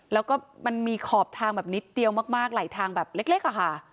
แล้วก็มันมีขอบทางแบบนิดเดียวมากไหลทางแบบเล็กอะค่ะ